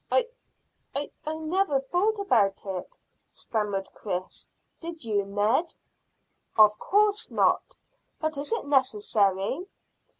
"I I never thought about it," stammered Chris. "Did you, Ned?" "Of course not. But is it necessary?"